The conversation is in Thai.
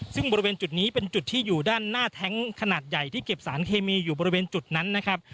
ซึ่งบริเวณจุดนี้เป็นจุดที่อยู่ด้านหน้าแท้งขนาดใหญ่ที่เก็บสารเคมีอยู่บริเวณจุดนั้นนะครับ